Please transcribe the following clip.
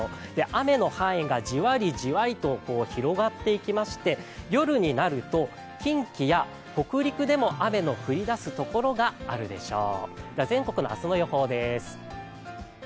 雨の範囲がじわりじわりと広がってきまして夜になると近畿や北陸でも雨の降りだす所があるでしょう。